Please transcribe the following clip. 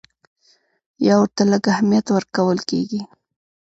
یا ورته لږ اهمیت ورکول کېږي.